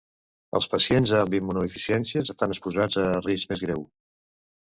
Els pacients amb immunodeficiències estan exposats a un risc més greu.